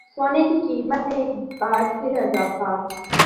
سونے کی قیمت میں ایک بار پھر اضافہ